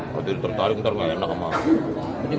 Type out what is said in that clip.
waktu itu tertarik nanti enggak enak emang